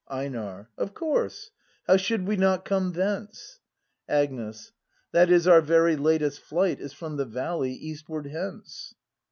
EiNAR. Of course; how should we not come thence? Agnes. That is, our very latest flight Is from the valley, eastward hence.